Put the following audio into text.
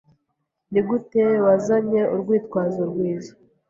Nigute wazanye urwitwazo rwiza?